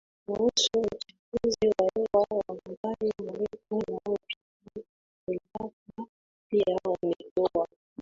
kuhusu Uchafuzi wa hewa wa umbali mrefu unaopita mipaka pia umetoa